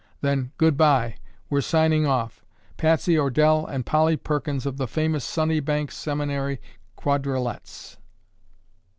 Then "Goodbye. We're signing off. Patsy Ordelle and Polly Perkins of the famous Sunnybank Seminary Quadralettes."